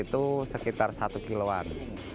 itu sekitar satu kiloan